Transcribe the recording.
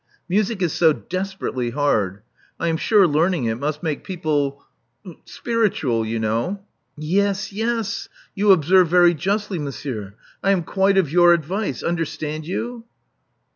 Music is so desperately hard. I am sure learning it must make people — spiritual, you know." Yes, yes. You observe very justly, monsieur. I am quite of your advice. Understand you?"